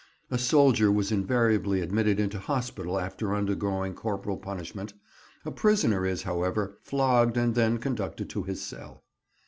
A soldier was invariably admitted into hospital after undergoing corporal punishment; a prisoner is, however, flogged and then conducted to his cell.